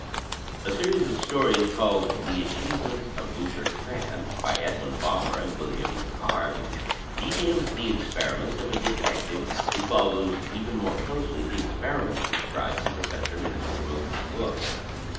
A series of stories called "The Achievements of Luther Trant," by Edwin Balmer and William MacHarg, details the experiments of a detective who follows even more closely the experiments described in Professor Miinsterberg's book.